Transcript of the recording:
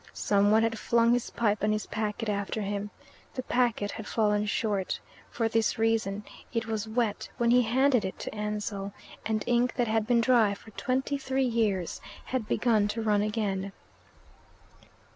Some one had flung his pipe and his packet after him. The packet had fallen short. For this reason it was wet when he handed it to Ansell, and ink that had been dry for twenty three years had begun to run again.